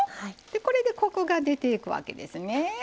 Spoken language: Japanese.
これでコクが出ていくわけですね。